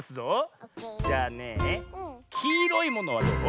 じゃあねえ「きいろいもの」はどう？